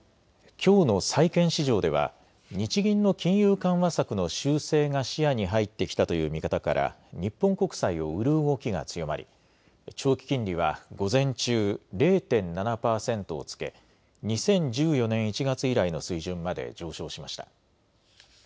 きょうの債券市場では日銀の金融緩和策の修正が視野に入ってきたという見方から日本国債を売る動きが強まり長期金利は午前中、０．７％をつけ、２０１４年１月以来の水準まで上昇しました。